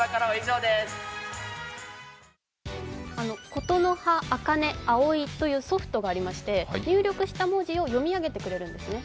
ことのは、あかね、あおいというソフトがありまして入力した文字を呼び上げてくれるんですね。